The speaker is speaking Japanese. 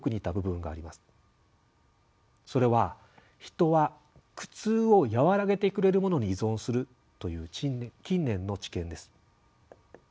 それは「人は苦痛をやわらげてくれるものに依存する」という近年の知見です。